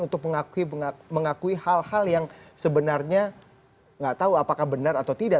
untuk mengakui hal hal yang sebenarnya nggak tahu apakah benar atau tidak